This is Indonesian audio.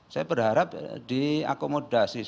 saya berharap diakomodasi